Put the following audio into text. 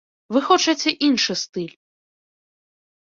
Вы хочаце іншы стыль.